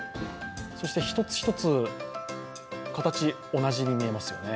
そして一つ一つ形、同じに見えますよね。